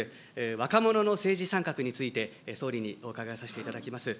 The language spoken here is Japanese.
若者の政治参画について、総理にお伺いさせていただきます。